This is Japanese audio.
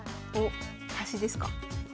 おっ端ですか。